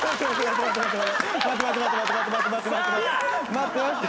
待って待って。